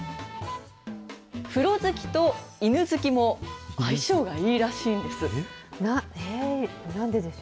風呂好きと犬好きも相性がいいらしいんです。